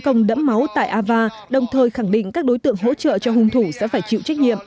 công đẫm máu tại ava đồng thời khẳng định các đối tượng hỗ trợ cho hung thủ sẽ phải chịu trách nhiệm